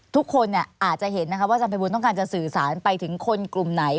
ทุกคนอาจจะเห็นนะคะว่าอาจารย์ภัยบูลต้องการจะสื่อสารไปถึงคนกลุ่มไหน